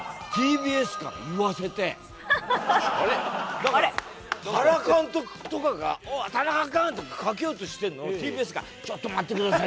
だから原監督とかが「おお田中君！」ってかけようとしてるのをＴＢＳが「ちょっと待ってください！」